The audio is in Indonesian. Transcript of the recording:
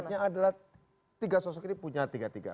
maksudnya adalah tiga sosok ini punya tiga tiga